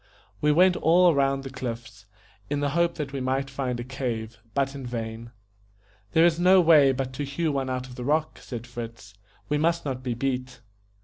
We went all round the cliffs, in the hope that we might find a cave, but in vain. "There is no way but to hew one out of the rock", said Fritz, "we must not be beat."